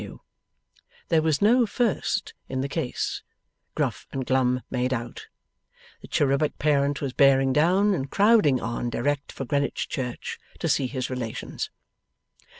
W. There was no 'first' in the case, Gruff and Glum made out; the cherubic parent was bearing down and crowding on direct for Greenwich church, to see his relations.